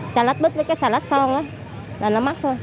xà lách búp với cái xà lách son đó là nó mắc thôi